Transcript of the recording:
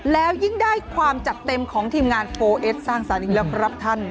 แล้วยิ่งได้ความจัดเต็มของทีมงานโฟเอสสร้างสรรค์อีกแล้วครับท่าน